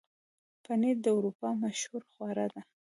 پنېر د اروپا مشهوره خواړه ده.